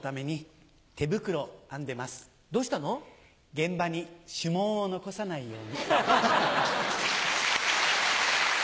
現場に指紋を残さないように。